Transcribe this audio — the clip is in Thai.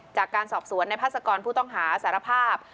จากการสอบสวนในพาสกรผู้ต้องหาสารภาพ